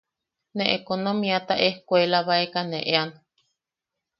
Ne ekonomiata ejkuelabaeka ne ean.